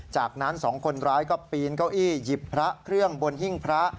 จากนั้นสองคนร้ายก็ปีนเก้าอี้หยิบพระเครื่องบนหิ้งพระ